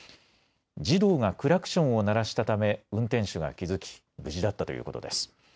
児童がクラクションを鳴らしたため、運転手が気付き無事だったということです。